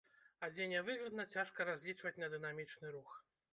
А дзе нявыгадна, цяжка разлічваць на дынамічны рух.